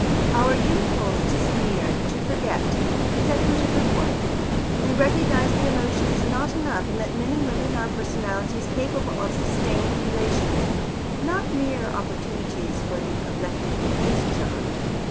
Our impulse to sneer, to forget, is at root a good one. We recognize that emotion is not enough, and that men and women are personalities capable of sustained relations, not mere opportunities for an electrical discharge.